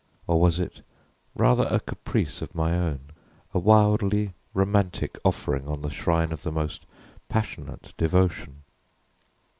or was it rather a caprice of my own a wildly romantic offering on the shrine of the most passionate devotion?